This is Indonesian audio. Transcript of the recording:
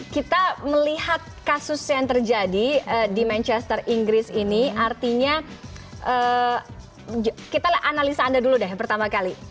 kita melihat kasus yang terjadi di manchester inggris ini artinya kita analisa anda dulu deh pertama kali